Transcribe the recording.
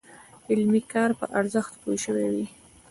علمي کار په ارزښت پوه شوي وي.